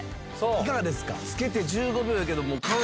いかがですか？